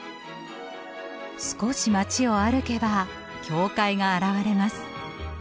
少し街を歩けば教会が現れます。